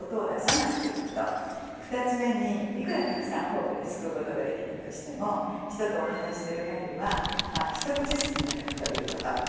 ２つ目にいくらたくさんフォークですくうことができたとしても人とお話しするかぎりは一口ずつ頂くということ。